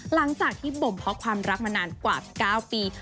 หลังจากที่บ่มเพาะความรักมานานกว่า๙ปี